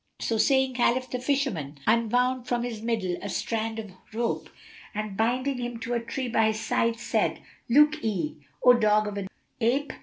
So saying, Khalif the Fisherman unwound from his middle a strand of rope and binding him to a tree by his side, said, "Lookee, O dog of an ape!